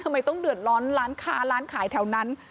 ทำไมต้องเดือดร้อนร้านค้าร้านขายแถวนั้น